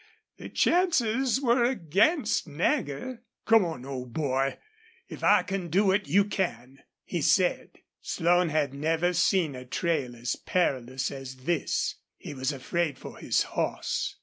The chances were against Nagger. "Come on, old boy. If I can do it, you can," he said. Slone had never seen a trail as perilous as this. He was afraid for his horse.